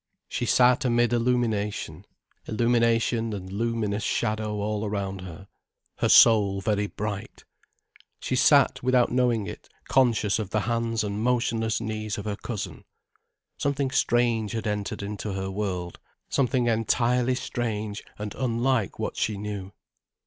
She sat amid illumination, illumination and luminous shadow all around her, her soul very bright. She sat, without knowing it, conscious of the hands and motionless knees of her cousin. Something strange had entered into her world, something entirely strange and unlike what she knew.